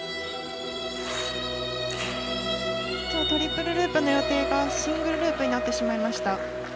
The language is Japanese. トリプルループの予定がシングルループになってしまいました。